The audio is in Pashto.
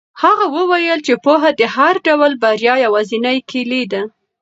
هغه وویل چې پوهه د هر ډول بریا یوازینۍ کیلي ده.